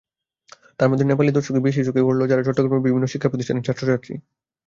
তার মধ্যে নেপালি দর্শকই বেশি চোখে গড়ল, যারা চট্টগ্রামের বিভিন্ন শিক্ষাপ্রতিষ্ঠানের ছাত্রছাত্রী।